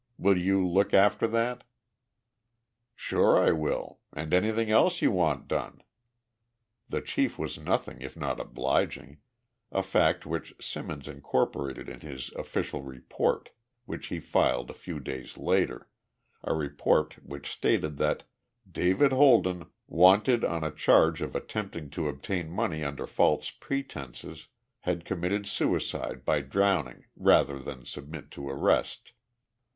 Will you look after that?" "Sure I will, and anything else you want done." The chief was nothing if not obliging a fact which Simmons incorporated in his official report, which he filed a few days later, a report which stated that "David Holden, wanted on a charge of attempting to obtain money under false pretenses, had committed suicide by drowning rather than submit to arrest."